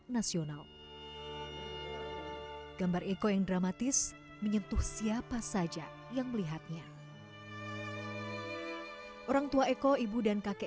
nasional gambar eko yang dramatis menyentuh siapa saja yang melihatnya orang tua eko ibu dan kakek